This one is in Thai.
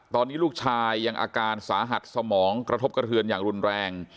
ตอนนี้ลูกชายยังอาการสาหัสสมองกระทบกระเทือนอย่างรุนแรง